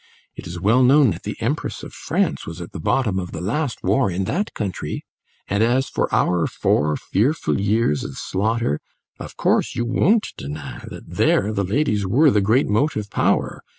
It is well known that the Empress of France was at the bottom of the last war in that country. And as for our four fearful years of slaughter, of course, you won't deny that there the ladies were the great motive power.